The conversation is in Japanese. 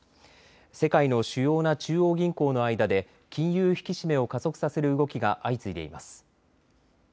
世界の主要な中央銀行の間で金融引き締めを加速させる動きが相次いでいます。